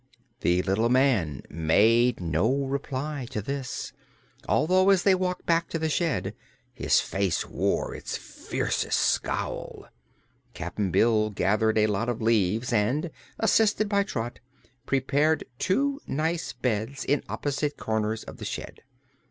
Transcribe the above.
The little man made no reply to this, although as they walked back to the shed his face wore its fiercest scowl. Cap'n Bill gathered a lot of leaves and, assisted by Trot, prepared two nice beds in opposite corners of the shed.